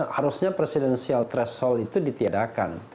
harusnya presidensial threshold itu ditiadakan